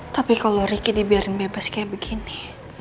tapi kalau ricky dibiarin bebas kayak begini